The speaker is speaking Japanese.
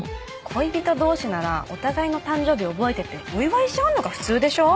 恋人同士ならお互いの誕生日覚えててお祝いし合うのが普通でしょ？